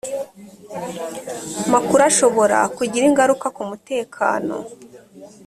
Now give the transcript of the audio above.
makuru ashobora kugira ingaruka ku mutekano